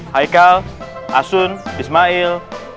hai kal asun ismail